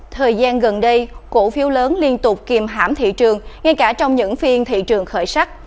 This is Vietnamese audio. thời gian gần đây cổ phiếu lớn liên tục kìm hãm thị trường ngay cả trong những phiên thị trường khởi sắc